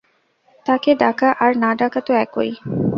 তাকে ডাকা আর না ডাকা তো একই।